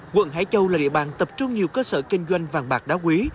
quận hải châu là địa bàn tập trung nhiều cơ sở kinh doanh vàng bạc đá quý